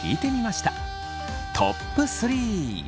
トップ３。